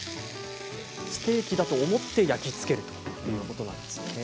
ステーキだと思って焼きつけるということなんですね。